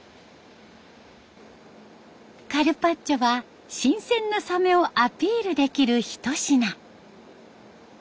カルパッチョは新鮮なサメをアピールできるひと品。